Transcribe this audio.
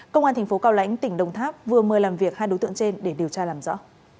công an tp cao lãnh tỉnh đồng tháp vừa mời làm việc hai đối tượng trên để điều tra làm rõ